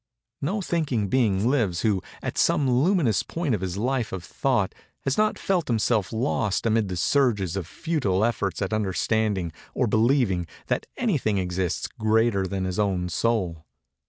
No thinking being lives who, at some luminous point of his life of thought, has not felt himself lost amid the surges of futile efforts at understanding, or believing, that anything exists greater than his own soul.